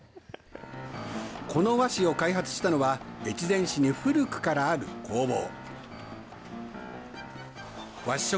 この和紙を開発したのは、越前市に古くからある工房。